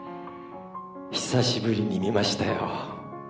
久しぶりに見ましたよ。